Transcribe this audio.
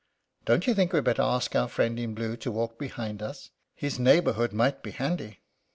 "Don't you think we'd better ask our friend in blue to walk behind us? His neighbourhood might be handy."